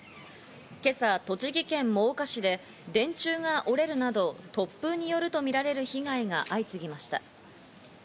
今朝、栃木県真岡市で電柱が折れるなど突風によるとみられる被害が相次ぎました。